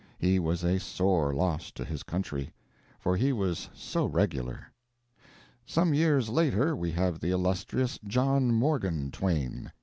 He was a sore loss to his country. For he was so regular. Some years later we have the illustrious John Morgan Twain.